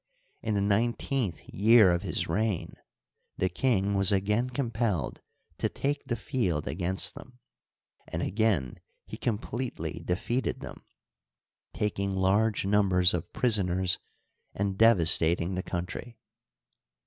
In the nine teenth year of his reig^ the king was again compelled to take the field against them, and again he completely de feated them, taking large numbers of prisoners ana de vastating the country.